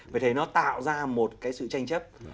vì thế nó tạo ra một cái sự tranh chấp